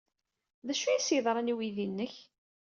D acu ay as-yeḍran i uydi-nnek?